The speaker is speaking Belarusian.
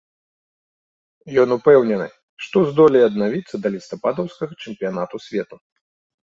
Ён упэўнены, што здолее аднавіцца да лістападаўскага чэмпіянату свету.